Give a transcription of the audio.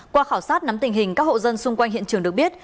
qua khảo sát nắm tình hình các hộ dân xung quanh hiện trường được biết